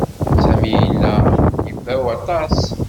Sami yella d ibaw aṭas.